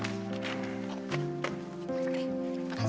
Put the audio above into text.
terima kasih pak